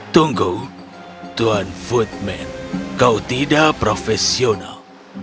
tunggu tuan footman kau tidak profesional